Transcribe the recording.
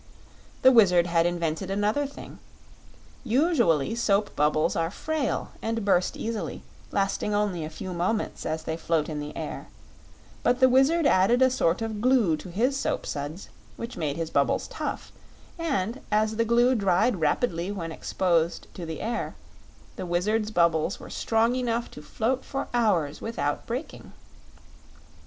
The Wizard had invented another thing. Usually, soap bubbles are frail and burst easily, lasting only a few moments as they float in the air; but the Wizard added a sort of glue to his soapsuds, which made his bubbles tough; and, as the glue dried rapidly when exposed to the air, the Wizard's bubbles were strong enough to float for hours without breaking.